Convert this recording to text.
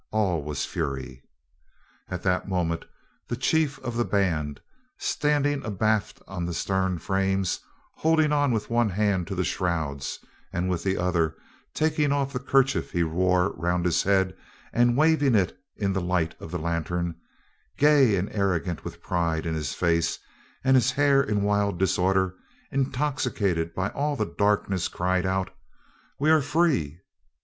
All was fury. At that moment the chief of the band, standing abaft on the stern frames, holding on with one hand to the shrouds, and with the other taking off the kerchief he wore round his head and waving it in the light of the lantern, gay and arrogant, with pride in his face, and his hair in wild disorder, intoxicated by all the darkness, cried out, "We are free!"